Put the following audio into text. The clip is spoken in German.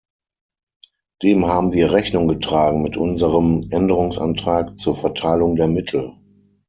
Dem haben wir Rechnung getragen mit unserem Änderungsantrag zur Verteilung der Mittel.